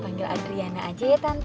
panggil adriana aja ya tante